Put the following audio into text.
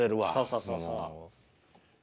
そうそうそう。